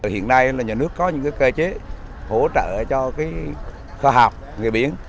hiện nay là nhà nước có những cơ chế hỗ trợ cho khoa học nghề biển